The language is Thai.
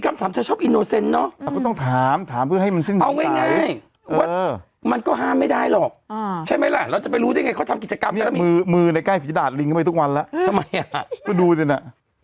คุณแก้วทำไมจะมีโชคในวันนี้นะ